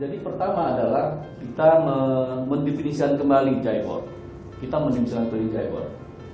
jadi pertama adalah kita mendefinisikan kembali jibor kita mendefinisikan kembali jibor